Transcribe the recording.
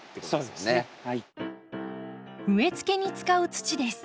植えつけに使う土です。